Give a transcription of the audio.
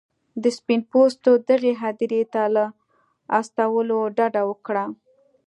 د سپین پوستو دغې هدیرې ته له استولو ډډه وکړه.